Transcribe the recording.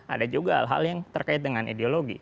ada juga hal hal yang terkait dengan ideologi